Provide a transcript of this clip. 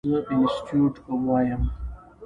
زه انسټيټيوټ وایم.